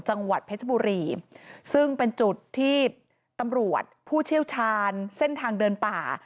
จังหวัดเพชรบุรีซึ่งเป็นจุดที่ตำรวจผู้เชี่ยวชาญเส้นทางเดินป่า